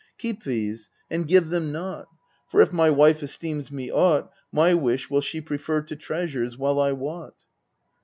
Keep these and give them not. For, if my wife esteems me aught, my wish Will she prefer to treasures, well I wot.